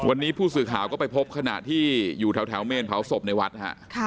วันนี้ผู้สื่อข่าวก็ไปพบขณะที่อยู่แถวเมนเผาศพในวัดฮะ